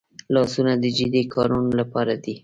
لاسونه د جدي کارونو لپاره دي